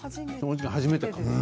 初めてかも。